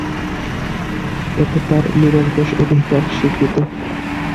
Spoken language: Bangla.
এতে তার নিরঙ্কুশ অধিকার স্বীকৃত।